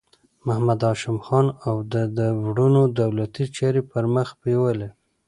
محمد هاشم خان او د ده وروڼو دولتي چارې پر مخ بیولې.